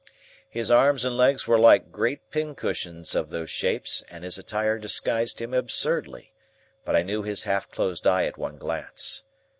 His arms and legs were like great pincushions of those shapes, and his attire disguised him absurdly; but I knew his half closed eye at one glance.